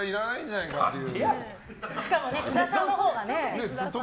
しかも津田さんのほうがね。